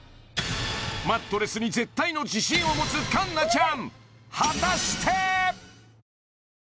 マットレスに絶対の自信を持つ環奈ちゃん